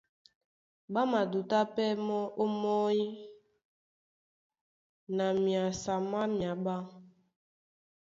Ɓá madutá pɛ́ mɔ́ ómɔ́ny na myasa má myaɓá.